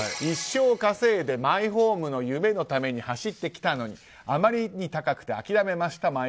一生稼いで、マイホームの夢のために走ってきたのにあまりに高くて諦めました